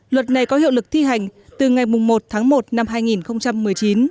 luật này có hiệu lực thi hành từ ngày một tháng một năm hai nghìn một mươi chín